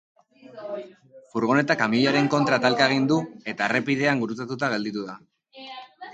Furgoneta kamioiaren kontra talka egin du eta errepidean gurutzatuta geratu da.